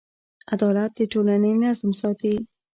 عدالت د ټولنې نظم ساتي.